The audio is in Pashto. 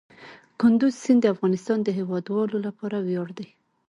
کندز سیند د افغانستان د هیوادوالو لپاره ویاړ دی.